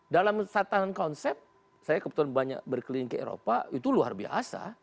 dalam tatanan konsep saya kebetulan banyak berkeliling ke eropa itu luar biasa